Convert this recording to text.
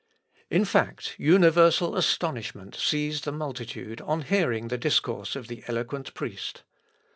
] In fact, universal astonishment seized the multitude on hearing the discourse of the eloquent priest.